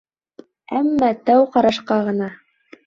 Әммә тәү ҡарашҡа ғына.